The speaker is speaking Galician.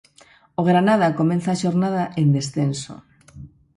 O Granada comeza a xornada en descenso.